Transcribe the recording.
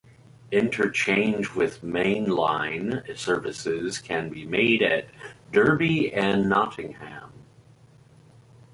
Interchange with Mainline services can be made at Derby and Nottingham.